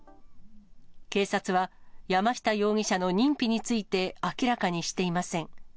警察は、山下容疑者の認否について明らかにしていません。